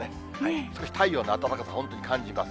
少し太陽の暖かさ、本当に感じます。